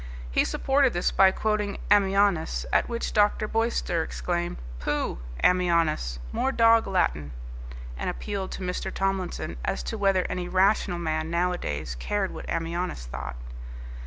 He supported this by quoting Ammianus, at which Dr. Boyster exclaimed, "Pooh! Ammianus: more dog Latin!" and appealed to Mr. Tomlinson as to whether any rational man nowadays cared what Ammianus thought?